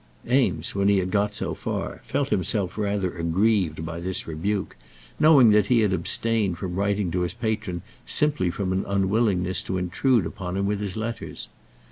Eames, when he had got so far, felt himself rather aggrieved by this rebuke, knowing that he had abstained from writing to his patron simply from an unwillingness to intrude upon him with his letters.